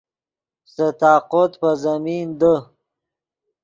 سے طاقوت پے زمین دے